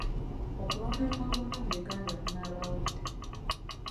Okulonda kwa bonna mu Uganda kunaabaawo ddi?